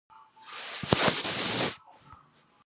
پابندی غرونه د افغان کلتور سره تړاو لري.